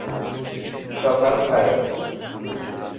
সকাল সাড়ে।